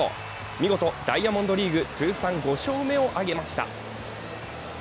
見事、ダイヤモンドリーグ通算５勝目を挙げました。